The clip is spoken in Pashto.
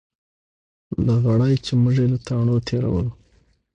لغړی چې موږ یې له تاڼو تېرولو.